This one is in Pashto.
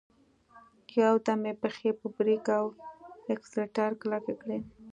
يودم يې پښې په بريک او اکسلېټر کلکې کړې.